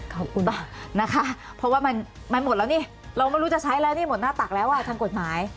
ขอบคุณมากนะคะเพราะว่ามันหมดแล้วนี่เราไม่รู้จะใช้แล้วนี่หมดหน้าตักแล้วอ่ะทางกฎหมาย